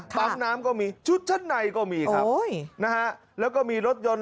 ปั๊มน้ำก็มีชุดชั้นในก็มีครับนะฮะแล้วก็มีรถยนต์